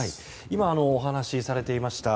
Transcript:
今、お話しされていました